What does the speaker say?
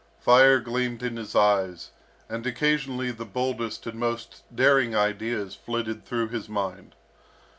Fire gleamed in his eyes, and occasionally the boldest and most daring ideas flitted through his mind.